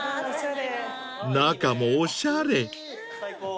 ［中もおしゃれ］